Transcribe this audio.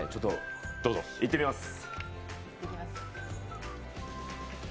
いってきます。